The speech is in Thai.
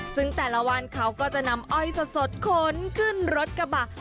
ซึ่งแต่ละวันเขาก็จะนำอ้อยสดขนขึ้นรถกระบะ